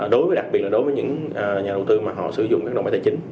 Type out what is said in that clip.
đặc biệt là đối với những nhà đầu tư mà họ sử dụng các đồng bài tài chính